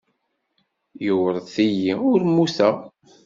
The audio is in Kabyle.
Iwṛet-iyi, ur mmuteɣ.